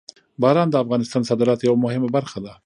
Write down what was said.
باران د افغانستان د صادراتو یوه مهمه برخه ده.